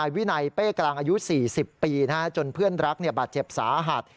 อายุ๔๐ปีจนเพื่อนรักบาดเจ็บสาหัส